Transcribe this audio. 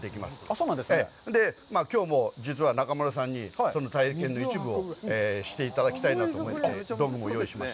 それで、きょうも実は中丸さんにこの体験の一部をしていただきたいなと思って、道具を用意しました。